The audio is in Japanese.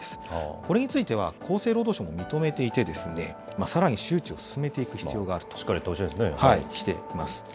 これについては厚生労働省も認めていて、さらに周知を進めていく必要があるとしています。